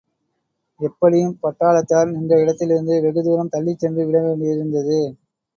எப்படியும் பட்டாளத்தார் நின்ற இடத்திலிருந்து வெகுதூரம் தள்ளிக்சென்று விடவேண்டியிருந்தது.